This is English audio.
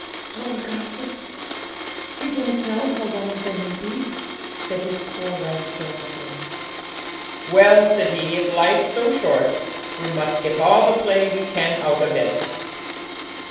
'Oh, Augustus! you don't know how long there may be,' said his poor wife sorrowfully. 'Well,' said he, 'if life's so short, we must get all the play we can out of it.'